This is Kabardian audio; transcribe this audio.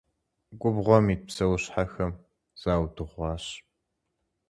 Губгъуэм ит псэущхьэхэм заудыгъуащ.